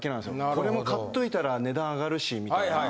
これも買っといたら値段上がるしみたいな。